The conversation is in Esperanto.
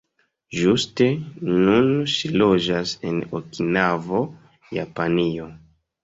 Ĝuste nun ŝi loĝas en Okinavo, Japanio.